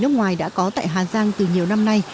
nước ngoài đã có tại hà giang từ nhiều năm nay